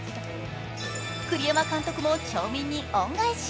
栗山監督も町民に恩返し